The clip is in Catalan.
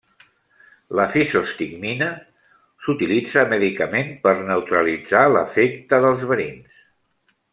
La fisostigmina s'utilitza mèdicament per neutralitzar l'efecte dels verins.